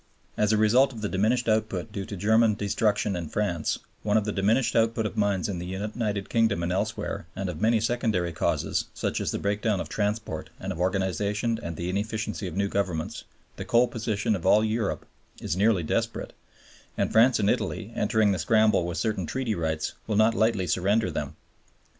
As a result of the diminished output due to German destruction in France, of the diminished output of mines in the United Kingdom and elsewhere, and of many secondary causes, such as the breakdown of transport and of organization and the inefficiency of new governments, the coal position of all Europe is nearly desperate; and France and Italy, entering the scramble with certain Treaty rights, will not lightly surrender them.